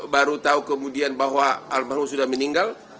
baru tahu kemudian bahwa almarhum sudah meninggal